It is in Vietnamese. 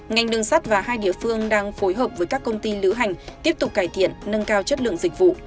ngành đường sắt và hai địa phương đang phối hợp với các công ty lữ hành tiếp tục cải thiện nâng cao chất lượng dịch vụ